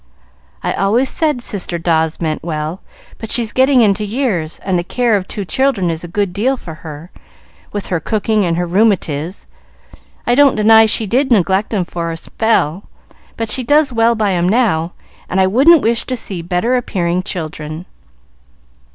"I always said Sister Dawes meant well; but she's getting into years, and the care of two children is a good deal for her, with her cooking and her rheumatiz. I don't deny she did neglect 'em for a spell, but she does well by 'em now, and I wouldn't wish to see better appearing children."